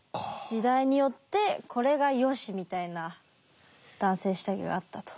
時代によってこれがよしみたいな男性下着があったと。